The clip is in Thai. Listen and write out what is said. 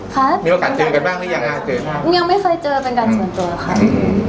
โปรดติดตามตอนต่อไป